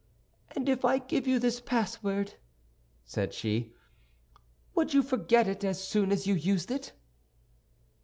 "And if I give you this password," said she, "would you forget it as soon as you used it?"